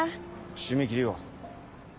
締め切りは？